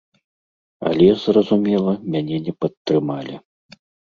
Але, зразумела, мяне не падтрымалі.